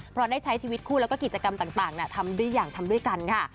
เพราะได้ใช้ชีวิตคู่แล้วก็กิจกรรมต่างทำด้วยอย่างทำด้วยกันค่ะ